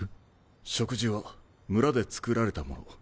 食事は村で作られたもの。